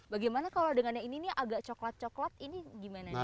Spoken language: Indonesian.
bagaimana kalau dengan yang ini nih agak coklat coklat ini gimana nih